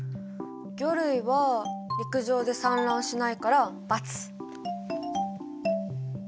魚類は陸上で産卵しないから×。